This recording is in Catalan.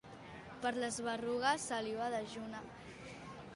Per les berrugues, saliva dejuna.